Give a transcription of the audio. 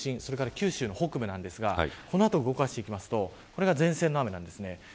九州の北部ですがこの後、動かしていくとこれが前線の雨です。